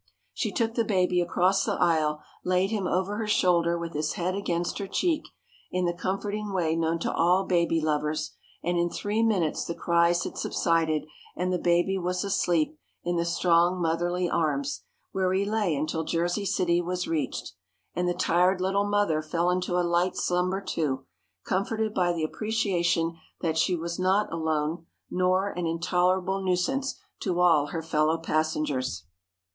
She took the baby across the aisle, laid him over her shoulder with his head against her cheek, in the comforting way known to all baby lovers, and in three minutes the cries had subsided and the baby was asleep in the strong motherly arms, where he lay until Jersey City was reached. And the tired little mother fell into a light slumber, too, comforted by the appreciation that she was not alone, nor an intolerable nuisance to all her fellow passengers.